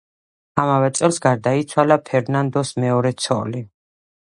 ამავე წელს გარდაიცვალა ფერნანდოს მეორე ცოლი.